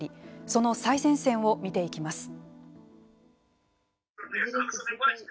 その最前線を見ていきます。